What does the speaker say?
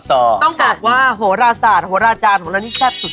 ต้องบอกว่าโหราศาสตร์โหราจารย์ของเรานี่แซ่บสุด